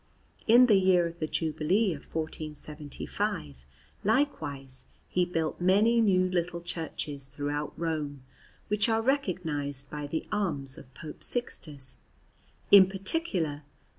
In the year of the Jubilee of 1475, likewise, he built many new little churches throughout Rome, which are recognized by the arms of Pope Sixtus in particular, S.